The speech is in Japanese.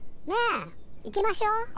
ねえ行きましょう。